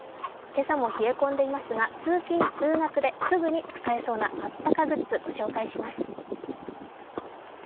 今朝も冷え込んでいますが通勤・通学ですぐに使えそうなあったかグッズ、ご紹介します。